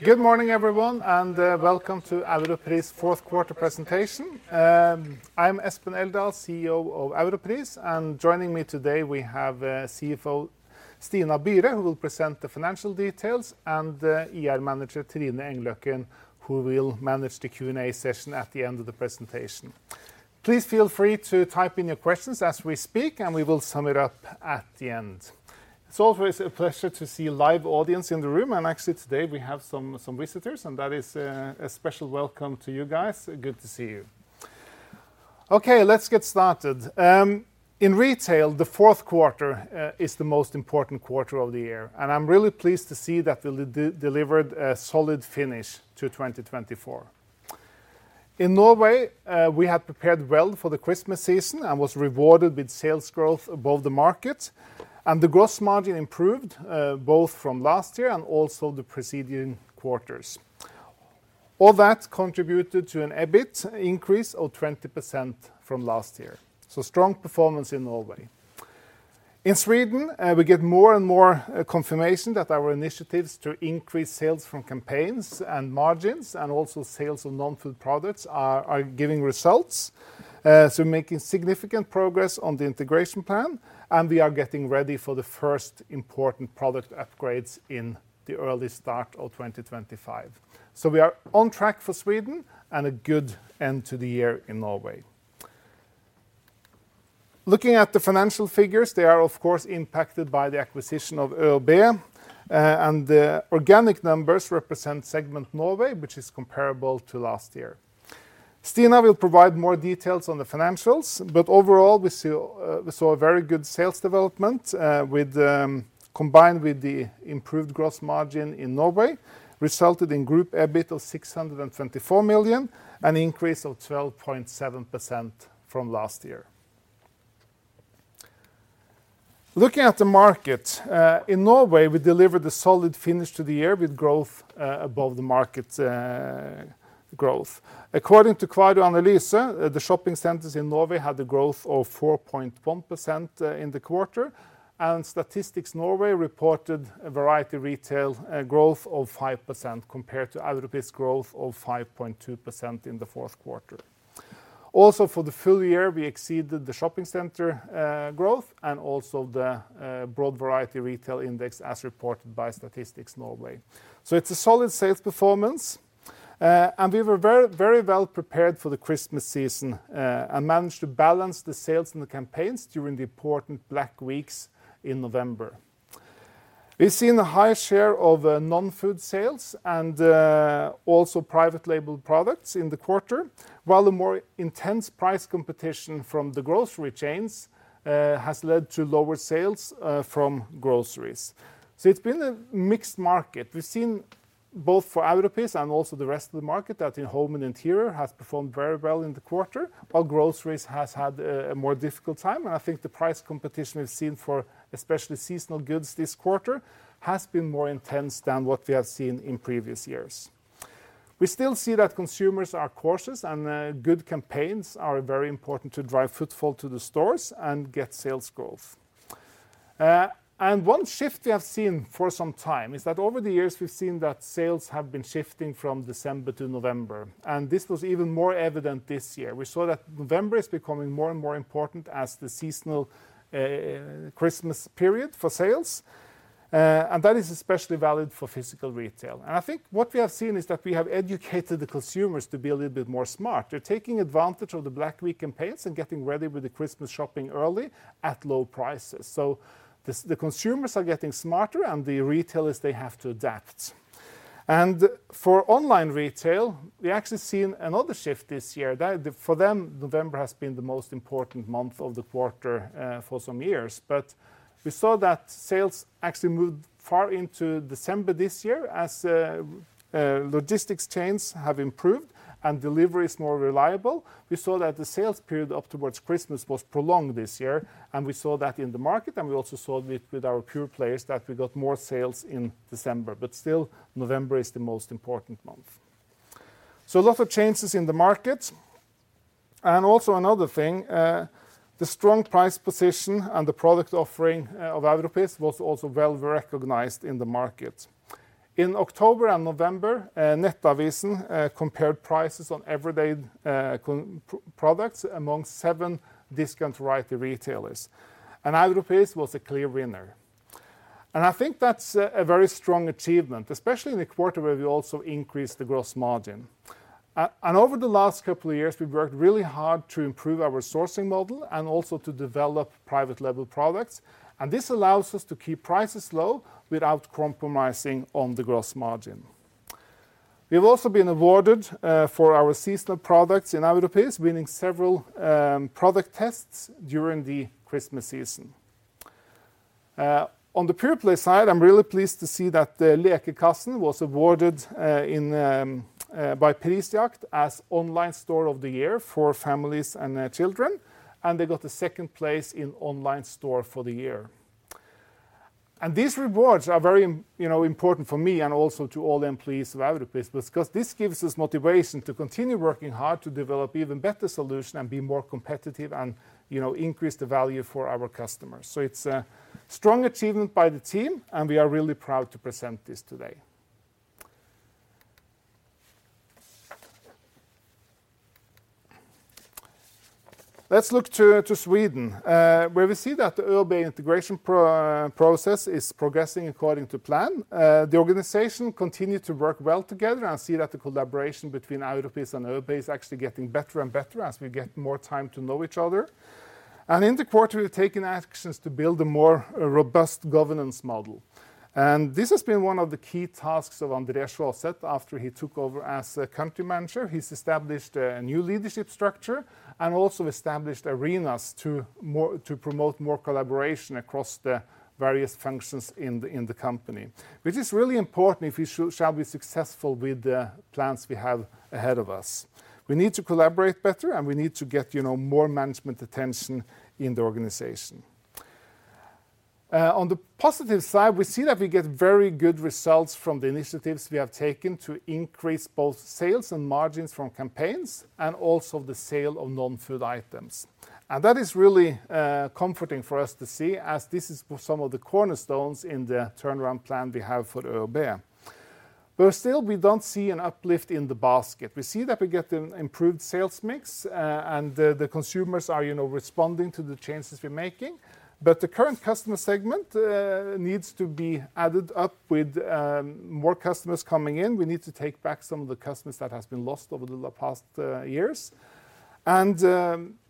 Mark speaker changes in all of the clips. Speaker 1: Good morning, everyone, and welcome to Europris' fourth quarter presentation. I'm Espen Eldal, CEO of Europris, and joining me today we have CFO Stina Byre, who will present the financial details, and IR Manager Trine Engløkken, who will manage the Q&A session at the end of the presentation. Please feel free to type in your questions as we speak, and we will sum it up at the end. It's always a pleasure to see a live audience in the room, and actually today we have some visitors, and that is a special welcome to you guys. Good to see you. Okay, let's get started. In retail, the fourth quarter is the most important quarter of the year, and I'm really pleased to see that we delivered a solid finish to 2024. In Norway, we had prepared well for the Christmas season and were rewarded with sales growth above the market, and the gross margin improved both from last year and also the preceding quarters. All that contributed to an EBIT increase of 20% from last year, so strong performance in Norway. In Sweden, we get more and more confirmation that our initiatives to increase sales from campaigns and margins, and also sales of non-food products, are giving results. So we're making significant progress on the integration plan, and we are getting ready for the first important product upgrades in the early start of 2025. So we are on track for Sweden and a good end to the year in Norway. Looking at the financial figures, they are of course impacted by the acquisition of ÖoB, and the organic numbers represent segment Norway, which is comparable to last year. Stina will provide more details on the financials, but overall we saw a very good sales development combined with the improved gross margin in Norway, resulting in group EBIT of 624 million and an increase of 12.7% from last year. Looking at the market, in Norway we delivered a solid finish to the year with growth above the market growth. According to Kvarud Analyse, the shopping centers in Norway had a growth of 4.1% in the quarter, and Statistics Norway reported a variety retail growth of 5% compared to Europris' growth of 5.2% in the fourth quarter. Also for the full year, we exceeded the shopping center growth and also the broad variety retail index as reported by Statistics Norway. So it's a solid sales performance, and we were very well prepared for the Christmas season and managed to balance the sales and the campaigns during the important Black Weeks in November. We've seen a high share of non-food sales and also private label products in the quarter, while a more intense price competition from the grocery chains has led to lower sales from groceries. So it's been a mixed market. We've seen both for Europris and also the rest of the market that in home and interior has performed very well in the quarter, while groceries has had a more difficult time, and I think the price competition we've seen for especially seasonal goods this quarter has been more intense than what we have seen in previous years. We still see that consumers are cautious, and good campaigns are very important to drive footfall to the stores and get sales growth. And one shift we have seen for some time is that over the years we've seen that sales have been shifting from December to November, and this was even more evident this year. We saw that November is becoming more and more important as the seasonal Christmas period for sales, and that is especially valid for physical retail. And I think what we have seen is that we have educated the consumers to be a little bit more smart. They're taking advantage of the Black Week campaigns and getting ready with the Christmas shopping early at low prices. So the consumers are getting smarter, and the retailers, they have to adapt. And for online retail, we actually see another shift this year. For them, November has been the most important month of the quarter for some years, but we saw that sales actually moved far into December this year as logistics chains have improved and delivery is more reliable. We saw that the sales period up towards Christmas was prolonged this year, and we saw that in the market, and we also saw with our pure players that we got more sales in December, but still November is the most important month. So a lot of changes in the market. And also another thing, the strong price position and the product offering of Europris was also well recognized in the market. In October and November, Nettavisen compared prices on everyday products among seven discount variety retailers, and Europris was a clear winner. And I think that's a very strong achievement, especially in the quarter where we also increased the gross margin. And over the last couple of years, we've worked really hard to improve our sourcing model and also to develop private label products, and this allows us to keep prices low without compromising on the gross margin. We've also been awarded for our seasonal products in Europris, winning several product tests during the Christmas season. On the pure player side, I'm really pleased to see that Lekekassen was awarded by Prisjakt as Online Store of the Year for families and children, and they got the second place in Online Store of the Year. And these rewards are very important for me and also to all employees of Europris because this gives us motivation to continue working hard to develop even better solutions and be more competitive and increase the value for our customers. So it's a strong achievement by the team, and we are really proud to present this today. Let's look to Sweden, where we see that the ÖoB integration process is progressing according to plan. The organization continues to work well together and see that the collaboration between Europris and ÖoB is actually getting better and better as we get more time to know each other, and in the quarter, we've taken actions to build a more robust governance model, and this has been one of the key tasks of Andreas Rosett after he took over as country manager. He's established a new leadership structure and also established arenas to promote more collaboration across the various functions in the company, which is really important if we shall be successful with the plans we have ahead of us. We need to collaborate better, and we need to get more management attention in the organization. On the positive side, we see that we get very good results from the initiatives we have taken to increase both sales and margins from campaigns and also the sale of non-food items. And that is really comforting for us to see as this is some of the cornerstones in the turnaround plan we have for ÖoB. But still, we don't see an uplift in the basket. We see that we get an improved sales mix, and the consumers are responding to the changes we're making, but the current customer segment needs to be added up with more customers coming in. We need to take back some of the customers that have been lost over the past years, and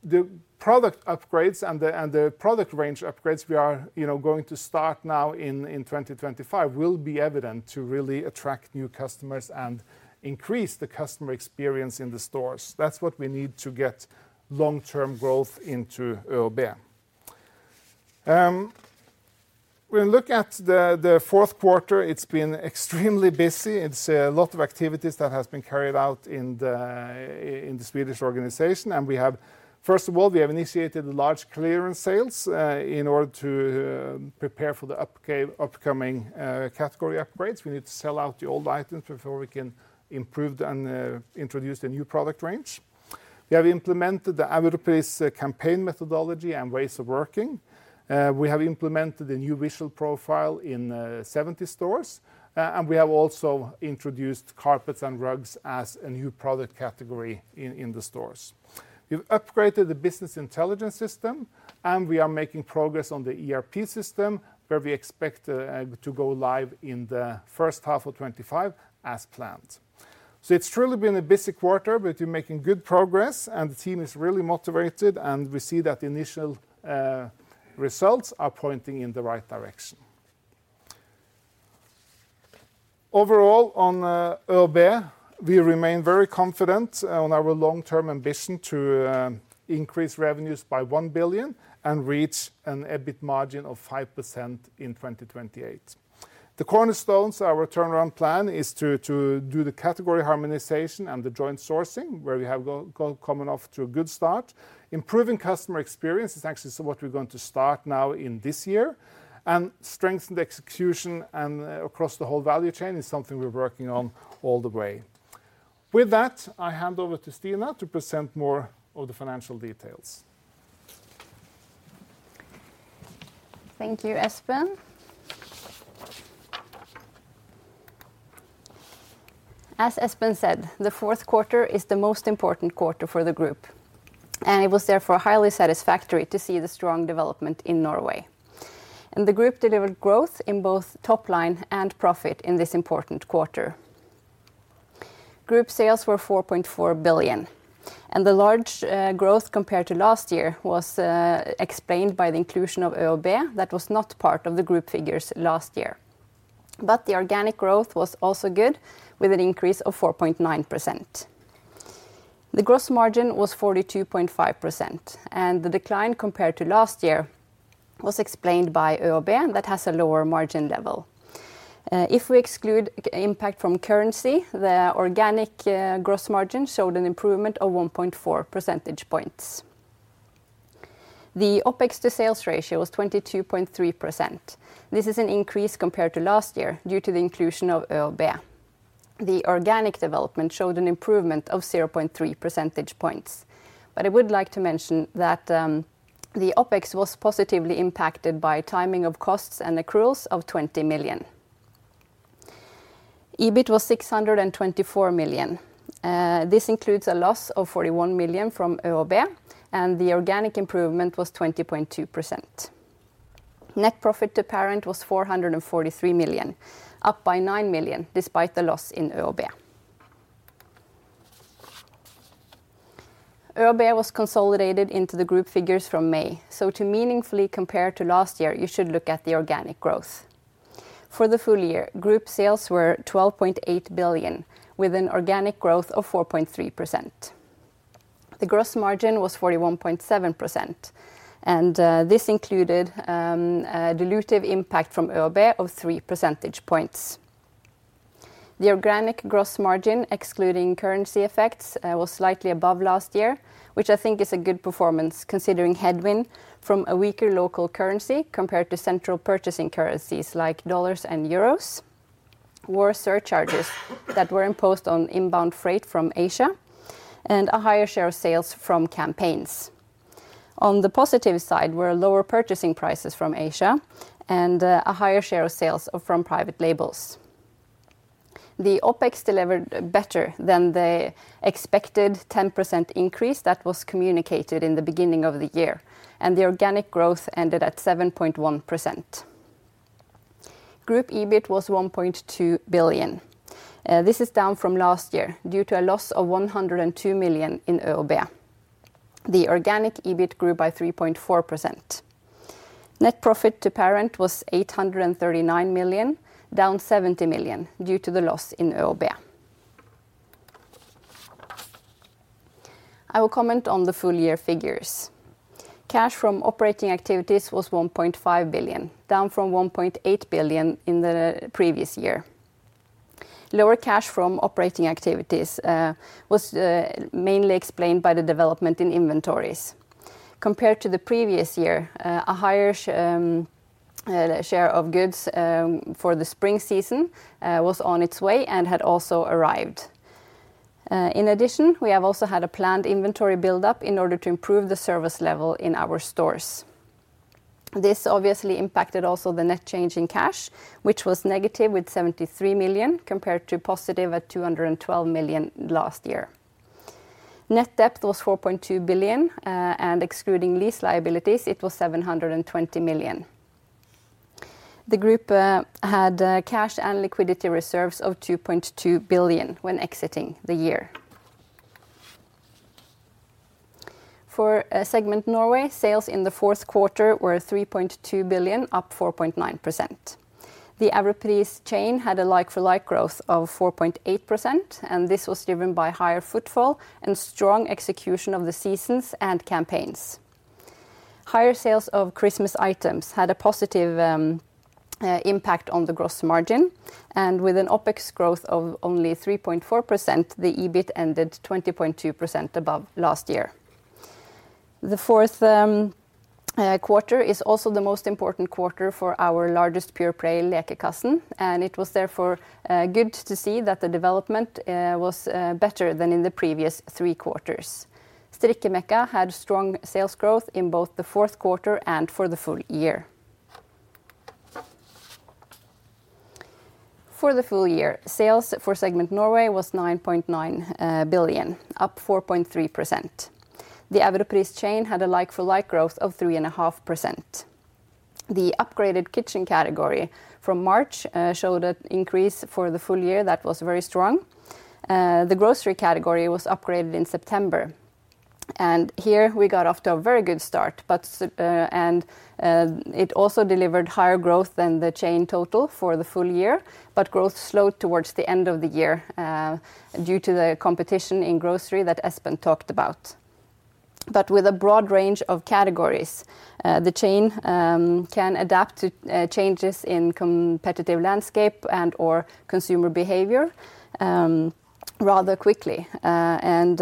Speaker 1: the product upgrades and the product range upgrades we are going to start now in 2025 will be evident to really attract new customers and increase the customer experience in the stores. That's what we need to get long-term growth into ÖoB. When we look at the fourth quarter, it's been extremely busy. It's a lot of activities that have been carried out in the Swedish organization, and we have, first of all, initiated large clearance sales in order to prepare for the upcoming category upgrades. We need to sell out the old items before we can improve and introduce the new product range. We have implemented the Europris campaign methodology and ways of working. We have implemented a new visual profile in 70 stores, and we have also introduced carpets and rugs as a new product category in the stores. We've upgraded the business intelligence system, and we are making progress on the ERP system where we expect to go live in the first half of 2025 as planned. So it's truly been a busy quarter, but we're making good progress, and the team is really motivated, and we see that the initial results are pointing in the right direction. Overall, on ÖoB, we remain very confident on our long-term ambition to increase revenues by 1 billion and reach an EBIT margin of 5% in 2028. The cornerstones of our turnaround plan are to do the category harmonization and the joint sourcing where we have got off to a good start. Improving customer experience is actually what we're going to start now in this year, and strengthen the execution across the whole value chain is something we're working on all the way. With that, I hand over to Stina to present more of the financial details.
Speaker 2: Thank you, Espen. As Espen said, the fourth quarter is the most important quarter for the group, and it was therefore highly satisfactory to see the strong development in Norway, and the group delivered growth in both top line and profit in this important quarter. Group sales were 4.4 billion, and the large growth compared to last year was explained by the inclusion of ÖoB that was not part of the group figures last year, but the organic growth was also good with an increase of 4.9%. The gross margin was 42.5%, and the decline compared to last year was explained by ÖoB that has a lower margin level. If we exclude impact from currency, the organic gross margin showed an improvement of 1.4 percentage points. The OPEX to sales ratio was 22.3%. This is an increase compared to last year due to the inclusion of ÖoB. The organic development showed an improvement of 0.3 percentage points, but I would like to mention that the OPEX was positively impacted by timing of costs and accruals of 20 million. EBIT was 624 million. This includes a loss of 41 million from ÖoB, and the organic improvement was 20.2%. Net profit to parent was 443 million, up by 9 million despite the loss in ÖoB. ÖoB was consolidated into the group figures from May, so to meaningfully compare to last year, you should look at the organic growth. For the full year, group sales were 12.8 billion with an organic growth of 4.3%. The gross margin was 41.7%, and this included a dilutive impact from ÖoB of 3 percentage points. The organic gross margin, excluding currency effects, was slightly above last year, which I think is a good performance considering headwind from a weaker local currency compared to central purchasing currencies like dollars and euros, war surcharges that were imposed on inbound freight from Asia, and a higher share of sales from campaigns. On the positive side, there were lower purchasing prices from Asia and a higher share of sales from private labels. The OPEX delivered better than the expected 10% increase that was communicated in the beginning of the year, and the organic growth ended at 7.1%. Group EBIT was 1.2 billion. This is down from last year due to a loss of 102 million in ÖoB. The organic EBIT grew by 3.4%. Net profit to parent was 839 million, down 70 million due to the loss in ÖoB. I will comment on the full year figures. Cash from operating activities was 1.5 billion, down from 1.8 billion in the previous year. Lower cash from operating activities was mainly explained by the development in inventories. Compared to the previous year, a higher share of goods for the spring season was on its way and had also arrived. In addition, we have also had a planned inventory buildup in order to improve the service level in our stores. This obviously impacted also the net change in cash, which was negative with 73 million compared to positive at 212 million last year. Net debt was 4.2 billion, and excluding lease liabilities, it was 720 million. The group had cash and liquidity reserves of 2.2 billion when exiting the year. For segment Norway, sales in the fourth quarter were 3.2 billion, up 4.9%. The average chain had a like-for-like growth of 4.8%, and this was driven by higher footfall and strong execution of the seasons and campaigns. Higher sales of Christmas items had a positive impact on the gross margin, and with an OPEX growth of only 3.4%, the EBIT ended 20.2% above last year. The fourth quarter is also the most important quarter for our largest pure player, Lekekassen, and it was therefore good to see that the development was better than in the previous three quarters. Strikkemekka had strong sales growth in both the fourth quarter and for the full year. For the full year, sales for segment Norway was 9.9 billion, up 4.3%. The average chain had a like-for-like growth of 3.5%. The upgraded kitchen category from March showed an increase for the full year that was very strong. The grocery category was upgraded in September, and here we got off to a very good start, and it also delivered higher growth than the chain total for the full year, but growth slowed towards the end of the year due to the competition in grocery that Espen talked about, but with a broad range of categories, the chain can adapt to changes in competitive landscape and/or consumer behavior rather quickly, and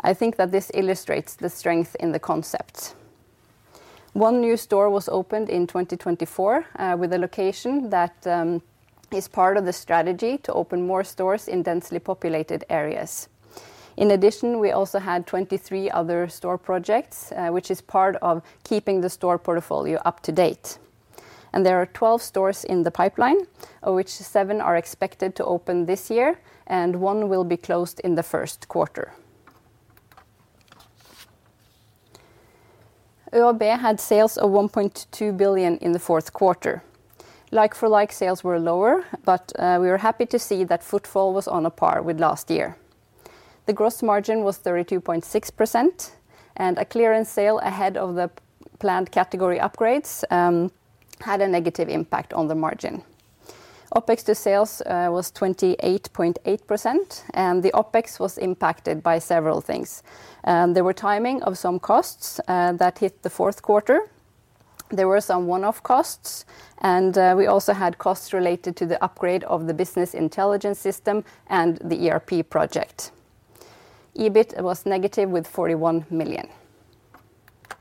Speaker 2: I think that this illustrates the strength in the concept. One new store was opened in 2024 with a location that is part of the strategy to open more stores in densely populated areas. In addition, we also had 23 other store projects, which is part of keeping the store portfolio up to date. There are 12 stores in the pipeline, of which seven are expected to open this year, and one will be closed in the first quarter. ÖoB had sales of 1.2 billion NOK in the fourth quarter. Like-for-like sales were lower, but we were happy to see that footfall was on a par with last year. The gross margin was 32.6%, and a clearance sale ahead of the planned category upgrades had a negative impact on the margin. OPEX to sales was 28.8%, and the OPEX was impacted by several things. There were timing of some costs that hit the fourth quarter. There were some one-off costs, and we also had costs related to the upgrade of the business intelligence system and the ERP project. EBIT was negative with 41 million NOK.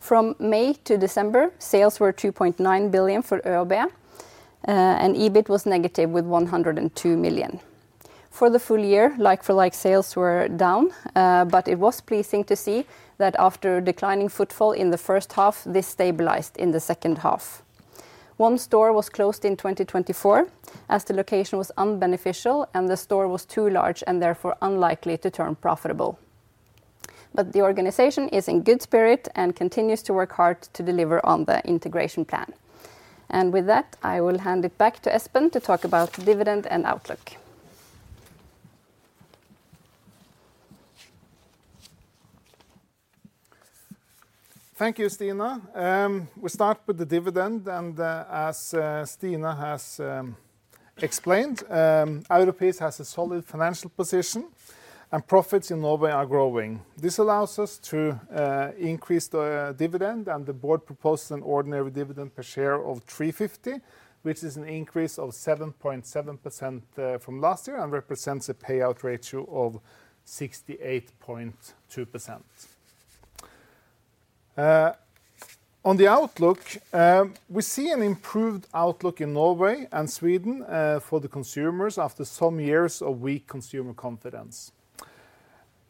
Speaker 2: From May to December, sales were 2.9 billion NOK for ÖoB, and EBIT was negative with 102 million NOK. For the full year, like-for-like sales were down, but it was pleasing to see that after declining footfall in the first half, this stabilized in the second half. One store was closed in 2024 as the location was unbeneficial and the store was too large and therefore unlikely to turn profitable. But the organization is in good spirit and continues to work hard to deliver on the integration plan. And with that, I will hand it back to Espen to talk about dividend and outlook.
Speaker 1: Thank you, Stina. We'll start with the dividend, and as Stina has explained, Europris has a solid financial position, and profits in Norway are growing. This allows us to increase the dividend, and the board proposed an ordinary dividend per share of 3.50, which is an increase of 7.7% from last year and represents a payout ratio of 68.2%. On the outlook, we see an improved outlook in Norway and Sweden for the consumers after some years of weak consumer confidence.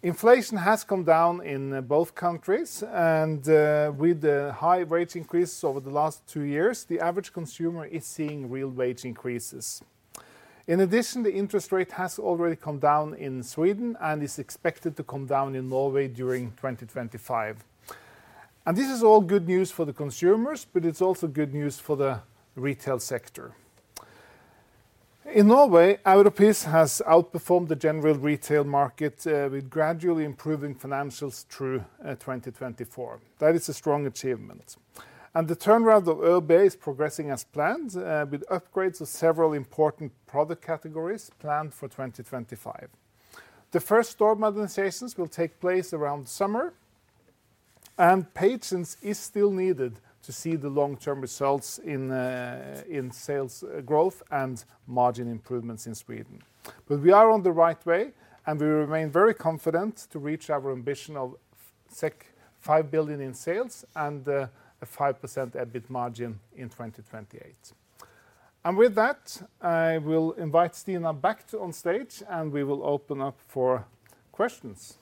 Speaker 1: Inflation has come down in both countries, and with the high wage increase over the last two years, the average consumer is seeing real wage increases. In addition, the interest rate has already come down in Sweden and is expected to come down in Norway during 2025, and this is all good news for the consumers, but it's also good news for the retail sector. In Norway, Europris has outperformed the general retail market with gradually improving financials through 2024. That is a strong achievement, and the turnaround of ÖoB is progressing as planned with upgrades of several important product categories planned for 2025. The first store modernizations will take place around summer, and patience is still needed to see the long-term results in sales growth and margin improvements in Sweden. We are on the right way, and we remain very confident to reach our ambition of 5 billion in sales and a 5% EBIT margin in 2028. With that, I will invite Stina back on stage, and we will open up for questions.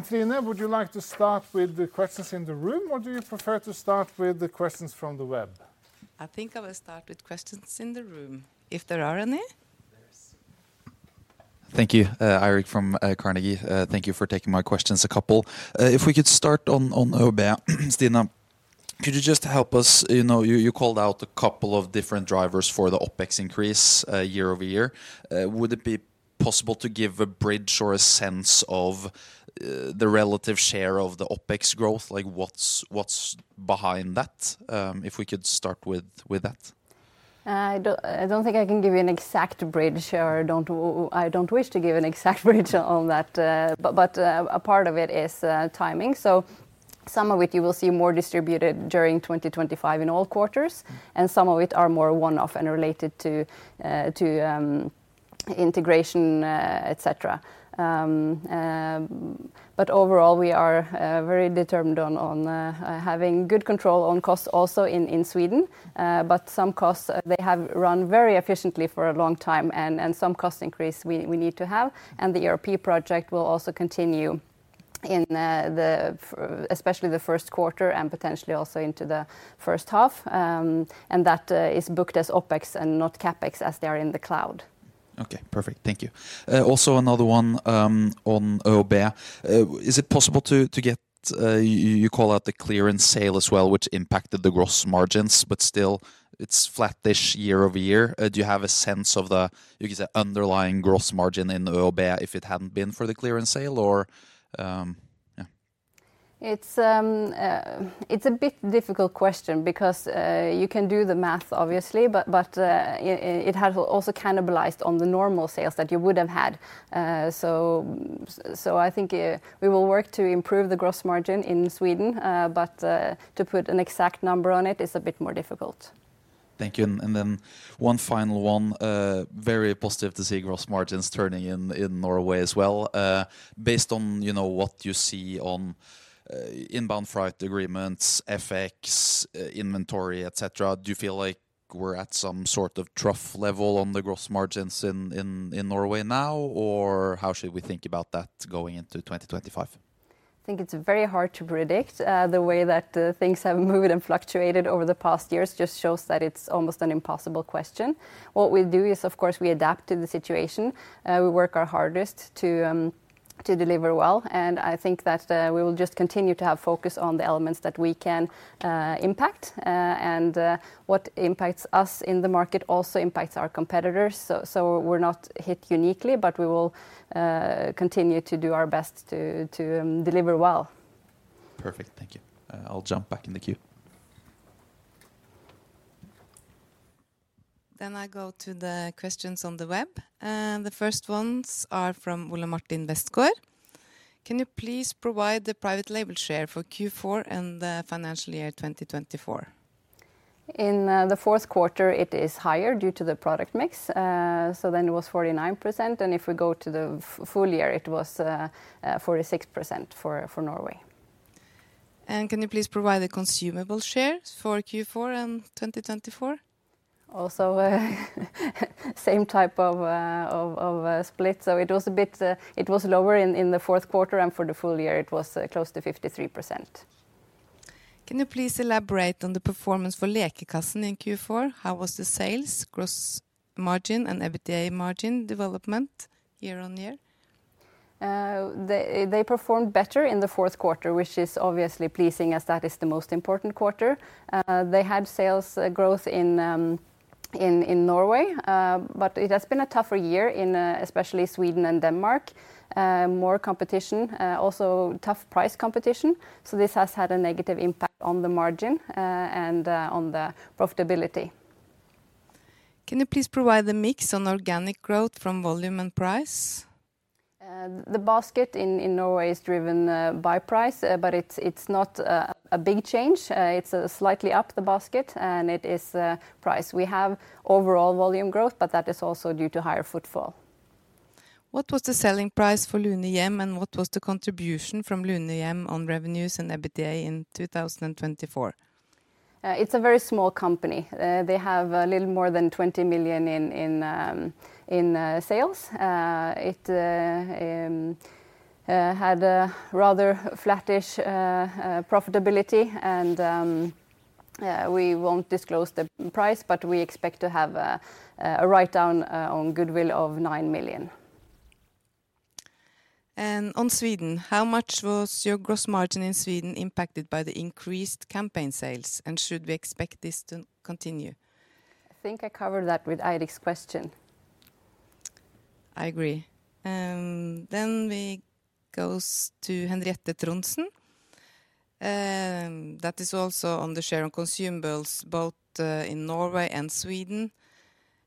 Speaker 1: Trine, would you like to start with the questions in the room, or do you prefer to start with the questions from the web?
Speaker 3: I think I will start with questions in the room. If there are any. Thank you, Eirik from Carnegie. Thank you for taking my questions, a couple. If we could start on ÖoB, Stina, could you just help us? You called out a couple of different drivers for the OPEX increase year-over-year. Would it be possible to give a bridge or a sense of the relative share of the OPEX growth, like what's behind that? If we could start with that.
Speaker 2: I don't think I can give you an exact bridge, or I don't wish to give an exact bridge on that, but a part of it is timing, so some of it you will see more distributed during 2025 in all quarters, and some of it are more one-off and related to integration, etc., but overall, we are very determined on having good control on costs also in Sweden, but some costs they have run very efficiently for a long time, and some cost increase we need to have, and the ERP project will also continue in the, especially the first quarter and potentially also into the first half, and that is booked as OPEX and not CAPEX as they are in the cloud. Okay, perfect. Thank you. Also another one on ÖoB. Is it possible to get, you call out the clearance sale as well, which impacted the gross margins, but still it's flat-ish year-over-year. Do you have a sense of the underlying gross margin in ÖoB if it hadn't been for the clearance sale, or? It's a bit difficult question because you can do the math, obviously, but it has also cannibalized on the normal sales that you would have had. So I think we will work to improve the gross margin in Sweden, but to put an exact number on it is a bit more difficult. Thank you. And then one final one, very positive to see gross margins turning in Norway as well. Based on what you see on inbound freight agreements, FX, inventory, etc., do you feel like we're at some sort of trough level on the gross margins in Norway now, or how should we think about that going into 2025? I think it's very hard to predict. The way that things have moved and fluctuated over the past years just shows that it's almost an impossible question. What we do is, of course, we adapt to the situation. We work our hardest to deliver well, and I think that we will just continue to have focus on the elements that we can impact, and what impacts us in the market also impacts our competitors. So we're not hit uniquely, but we will continue to do our best to deliver well. Perfect. Thank you. I'll jump back in the queue.
Speaker 3: Then I go to the questions on the web. The first ones are from Ole Martin Westgaard. Can you please provide the private label share for Q4 and the financial year 2024?
Speaker 2: In the fourth quarter, it is higher due to the product mix. So then it was 49%, and if we go to the full year, it was 46% for Norway.
Speaker 3: Can you please provide the consumable share for Q4 and 2024?
Speaker 2: Also, same type of split. It was a bit lower in the fourth quarter, and for the full year, it was close to 53%.
Speaker 3: Can you please elaborate on the performance for Lekekassen in Q4? How was the sales, gross margin, and EBITDA margin development year on year?
Speaker 2: They performed better in the fourth quarter, which is obviously pleasing as that is the most important quarter. They had sales growth in Norway, but it has been a tougher year in especially Sweden and Denmark. More competition, also tough price competition. So this has had a negative impact on the margin and on the profitability.
Speaker 3: Can you please provide the mix on organic growth from volume and price?
Speaker 2: The basket in Norway is driven by price, but it's not a big change. It's slightly up, the basket, and it is price. We have overall volume growth, but that is also due to higher footfall.
Speaker 3: What was the selling price for Lunehjem, and what was the contribution from Lunehjem on revenues and EBITDA in 2024?
Speaker 2: It's a very small company. They have a little more than 20 million in sales. It had a rather flat-ish profitability, and we won't disclose the price, but we expect to have a write-down on goodwill of 9 million.
Speaker 3: On Sweden, how much was your gross margin in Sweden impacted by the increased campaign sales, and should we expect this to continue?
Speaker 2: I think I covered that with Eirik's question.
Speaker 3: I agree. Then we go to Henriette Trondsen. That is also on the share of consumables both in Norway and Sweden,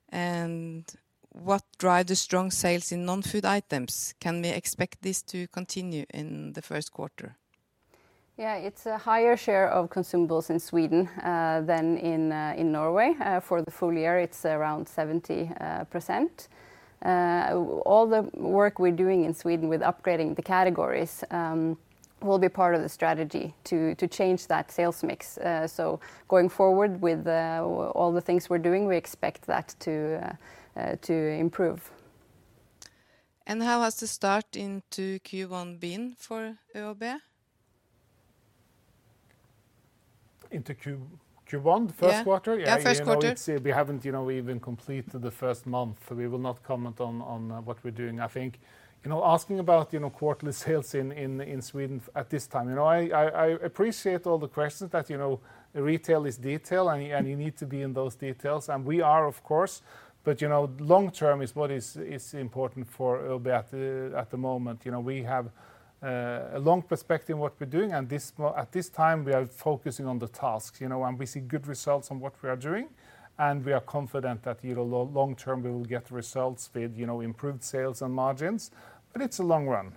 Speaker 3: and what drives the strong sales in non-food items? Can we expect this to continue in the first quarter?
Speaker 2: Yeah, it's a higher share of consumables in Sweden than in Norway. For the full year, it's around 70%. All the work we're doing in Sweden with upgrading the categories will be part of the strategy to change that sales mix. So going forward with all the things we're doing, we expect that to improve.
Speaker 3: How has the start into Q1 been for ÖoB?
Speaker 1: Into Q1, first quarter?
Speaker 3: Yeah, first quarter.
Speaker 1: We haven't even completed the first month, so we will not comment on what we're doing. I think asking about quarterly sales in Sweden at this time. I appreciate all the questions that retail is detail, and you need to be in those details, and we are, of course, but long-term is what is important for ÖoB at the moment. We have a long perspective in what we're doing, and at this time, we are focusing on the tasks. When we see good results on what we are doing, and we are confident that long-term we will get results with improved sales and margins, but it's a long run.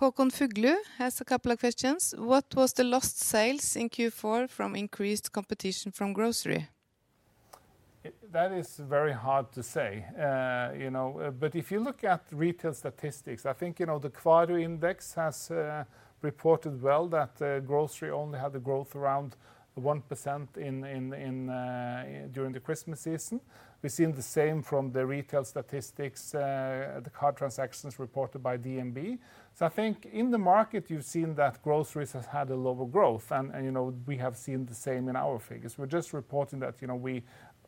Speaker 3: Håkon Fuglu has a couple of questions. What was the lost sales in Q4 from increased competition from grocery?
Speaker 1: That is very hard to say, but if you look at retail statistics, I think the quarter index has reported well that grocery only had a growth around 1% during the Christmas season. We've seen the same from the retail statistics, the card transactions reported by DNB, so I think in the market, you've seen that groceries have had a lower growth, and we have seen the same in our figures. We're just reporting that we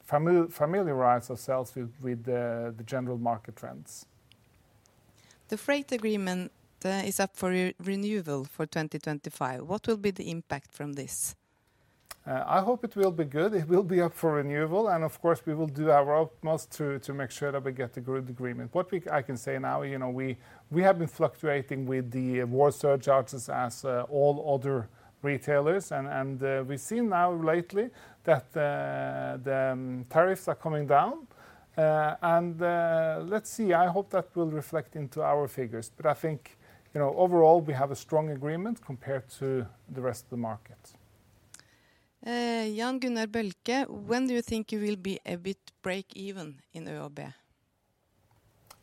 Speaker 1: familiarize ourselves with the general market trends.
Speaker 3: The freight agreement is up for renewal for 2025. What will be the impact from this?
Speaker 1: I hope it will be good. It will be up for renewal, and of course, we will do our utmost to make sure that we get a good agreement. What I can say now, we have been fluctuating with the war surcharges as all other retailers, and we've seen now lately that the tariffs are coming down, and let's see, I hope that will reflect into our figures. But I think overall, we have a strong agreement compared to the rest of the market.
Speaker 3: Jan Gunnar Bjelke, when do you think you will be EBIT break-even in ÖoB?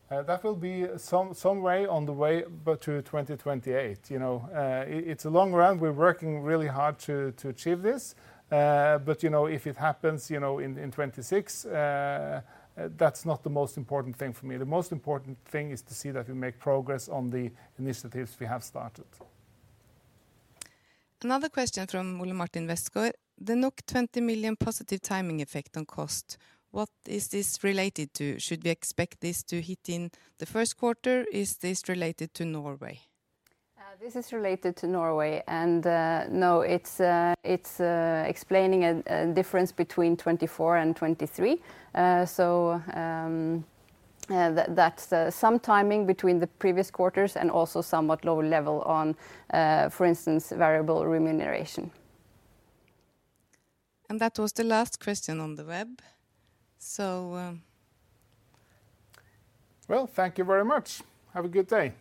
Speaker 1: That will be some way on the way to 2028. It's a long run. We're working really hard to achieve this, but if it happens in 2026, that's not the most important thing for me. The most important thing is to see that we make progress on the initiatives we have started.
Speaker 3: Another question from Ole Martin Westgaard. The 20 million positive timing effect on cost, what is this related to? Should we expect this to hit in the first quarter? Is this related to Norway?
Speaker 2: This is related to Norway, and no, it's explaining a difference between 2024 and 2023, so that's some timing between the previous quarters and also somewhat low level on, for instance, variable remuneration.
Speaker 3: That was the last question on the web.
Speaker 1: Thank you very much. Have a good day.